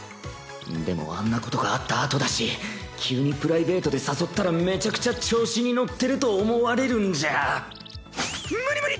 でもあんなことがあったあとだし急にプライベートで誘ったらめちゃくちゃ調子に乗ってると無理無理！